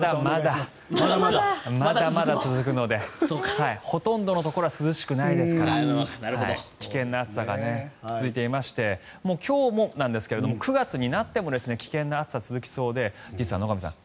まだまだ続くのでほとんどのところは涼しくないですから危険な暑さが続いていまして今日もなんですが９月になっても危険な暑さ、続きそうで実は野上さん